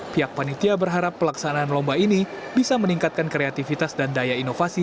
pihak panitia berharap pelaksanaan lomba ini bisa meningkatkan kreativitas dan daya inovasi